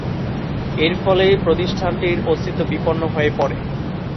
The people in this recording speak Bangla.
এর ফলে প্রতিষ্ঠানটির অস্তিত্ব বিপন্ন হয়ে পড়ে।